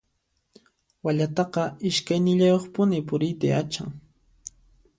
Wallataqa iskaynillayuqpuni puriyta yachan.